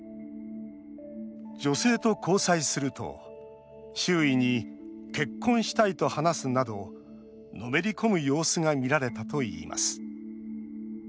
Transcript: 女性と交際すると周囲に「結婚したい」と話すなどのめり込む様子がみられたといいます。